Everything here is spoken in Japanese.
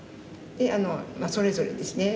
でそれぞれですね。